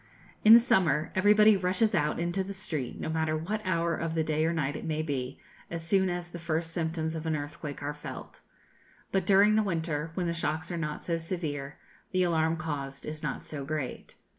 In summer everybody rushes out into the street, no matter what hour of the day or night it may be, as soon as the first symptoms of an earthquake are felt; but during the winter, when the shocks are never so severe, the alarm caused is not so great.